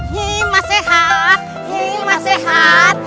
nyi mas sehat nyi mas sehat